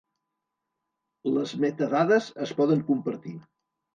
Les metadades es poden compartir.